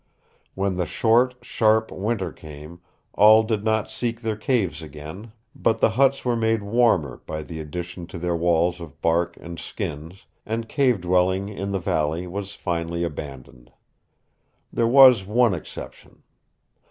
When the short, sharp winter came, all did not seek their caves again, but the huts were made warmer by the addition to their walls of bark and skins, and cave dwelling in the valley was finally abandoned. There was one exception.